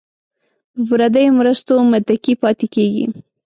په پردیو مرستو متکي پاتې کیږي.